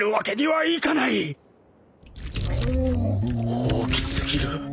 大きすぎる。